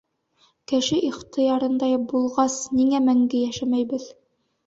— Кеше ихтыярында булғас, ниңә мәңге йәшәмәйбеҙ?